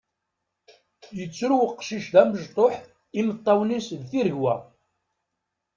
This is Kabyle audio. Yettru uqcic d amecṭuḥ, imeṭṭawen-is d tiregwa.